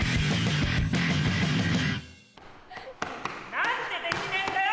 何でできねえんだよ！